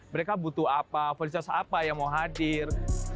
mereka butuh apa fasilitas apa yang mau hadir